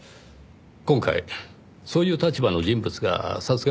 今回そういう立場の人物が殺害されました。